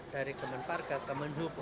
dari kemenpar ke kemenhubung